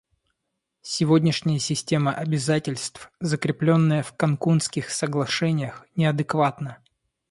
Сегодняшняя система обязательств, закрепленная в Канкунских соглашениях, неадекватна.